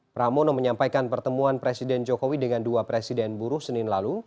pramono menyampaikan pertemuan presiden jokowi dengan dua presiden buruh senin lalu